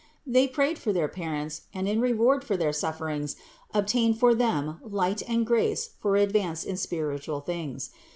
They prayed for their parents and, in reward for their sufferings, obtained for them light and grace for advance in spiritual things.